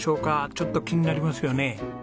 ちょっと気になりますよね。